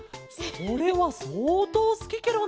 それはそうとうすきケロね！